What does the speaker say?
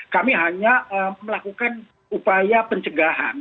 kami hanya melakukan upaya pencegahan